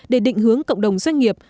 để định hướng cộng đồng doanh nghiệp